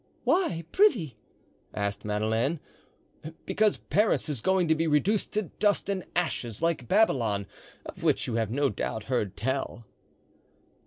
"Why, prithee?" asked Madeleine. "Because Paris is going to be reduced to dust and ashes like Babylon, of which you have no doubt heard tell."